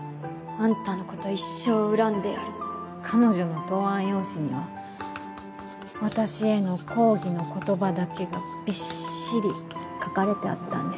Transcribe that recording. あんたのこと一生恨んでやる彼女の答案用紙には私への抗議の言葉だけがびっしり書かれてあったんです。